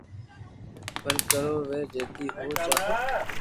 پر ڪرو ويو جدي ھون چاھو